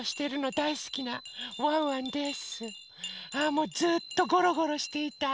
もうずっとゴロゴロしていたい。